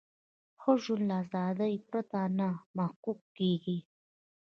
ښه ژوند له ازادۍ پرته نه محقق کیږي.